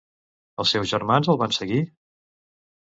Els seus germans el van seguir?